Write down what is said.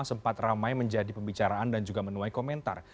sempat ramai menjadi pembicaraan dan juga menuai komentar